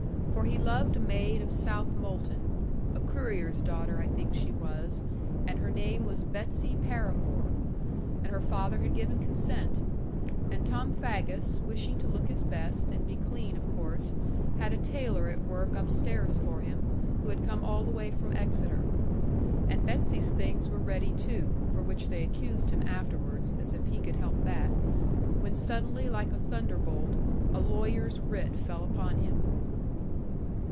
For he loved a maid of Southmolton (a currier's daughter I think she was, and her name was Betsy Paramore), and her father had given consent; and Tom Faggus, wishing to look his best, and be clean of course, had a tailor at work upstairs for him, who had come all the way from Exeter. And Betsy's things were ready too for which they accused him afterwards, as if he could help that when suddenly, like a thunderbolt, a lawyer's writ fell upon him.